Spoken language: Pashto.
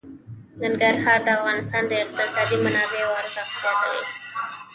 ننګرهار د افغانستان د اقتصادي منابعو ارزښت زیاتوي.